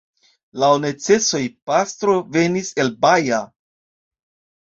Laŭ necesoj pastro venis el Baja.